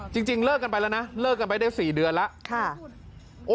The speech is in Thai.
จริงเลิกกันไปแล้วนะเลิกกันไปได้๔เดือนแล้ว